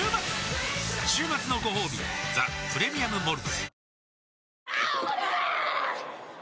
週末のごほうび「ザ・プレミアム・モルツ」